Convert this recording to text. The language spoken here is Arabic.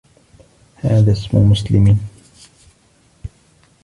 هذا اسم مسلم.